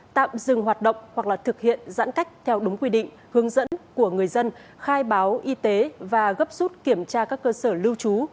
tạm dừng hoạt động hoặc là thực hiện giãn cách theo đúng quy định hướng dẫn của người dân khai báo y tế và gấp rút kiểm tra các cơ sở lưu trú